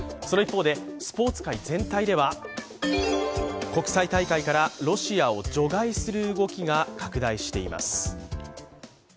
その一方で、スポーツ界全体では国際大会からロシアを除外する動きが拡大しています。